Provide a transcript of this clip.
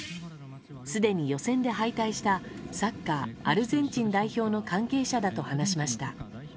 すでに予選で敗退したサッカー、アルゼンチン代表の関係者だと話しました。